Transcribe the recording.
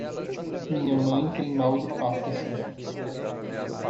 Minha mãe tem mal de Parkinson.